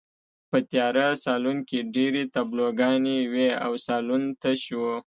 په تیاره سالون کې ډېرې تابلوګانې وې او سالون تش و